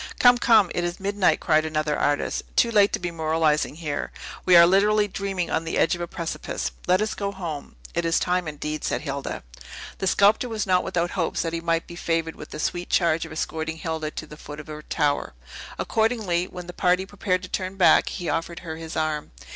"Come, come; it is midnight," cried another artist, "too late to be moralizing here. We are literally dreaming on the edge of a precipice. Let us go home." "It is time, indeed," said Hilda. The sculptor was not without hopes that he might be favored with the sweet charge of escorting Hilda to the foot of her tower. Accordingly, when the party prepared to turn back, he offered her his arm.